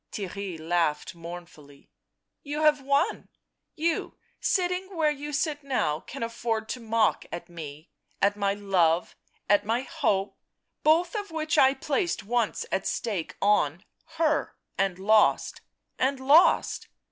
Theirry laughed mournfully. " You have won ! you, sitting where you sit now, can afford to mock at me; at my love, at my hope — both of which I placed once at stake on — her — and lost !... and lost